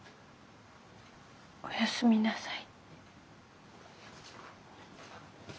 おやすみなさい。